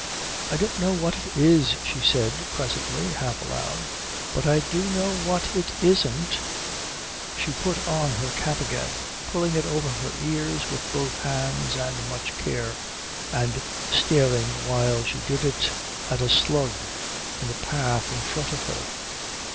"I don't know what it is," she said presently, half aloud, "but I do know what it isn't." She put on her cap again, pulling it over her ears with both hands and much care, and staring while she did it at a slug in the path in front of her.